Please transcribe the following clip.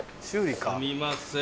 すみません。